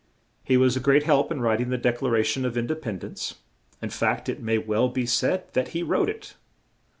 He was a great help in writ ing the Dec la ra tion of In de pend ence; in fact, it may well be said that he wrote it.